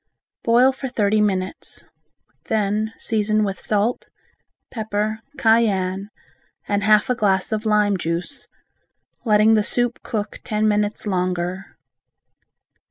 Boil for thirty minutes. Then season with salt, pepper, cayenne, and half a glass of lime juice, letting the soup cook ten minutes longer.